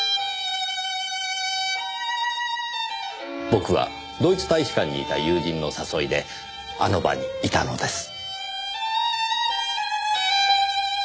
僕はドイツ大使館にいた友人の誘いであの場にいたのです。